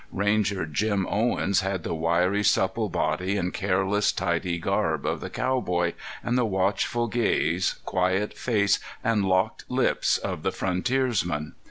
Ranger Jim Owens had the wiry, supple body and careless, tidy garb of the cowboy, and the watchful gaze, quiet face and locked lips of the frontiersman.